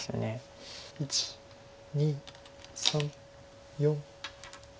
１２３４。